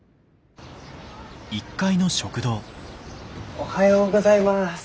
おはようございます。